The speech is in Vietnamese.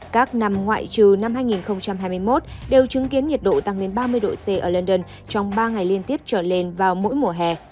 các năm ngoại trừ năm hai nghìn hai mươi một đều chứng kiến nhiệt độ tăng lên ba mươi độ c ở london trong ba ngày liên tiếp trở lên vào mỗi mùa hè